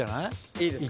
いいですか？